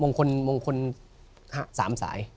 มงคล๓สาย